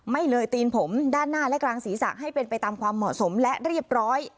ไม่เลยตีนผมด้านหน้าและกลางศีรษะให้เป็นไปตามความเหมาะสมและเรียบร้อย